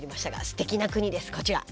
すてきな国ですこちら。